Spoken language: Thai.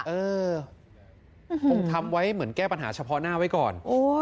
เออคงทำไว้เหมือนแก้ปัญหาเฉพาะหน้าไว้ก่อน